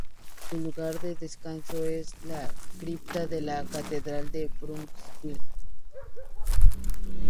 Su lugar de descanso es en la cripta de la catedral de Brunswick.